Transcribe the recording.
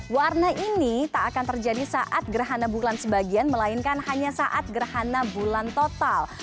warna ini tak akan terjadi saat gerhana bulan sebagian melainkan hanya saat gerhana bulan total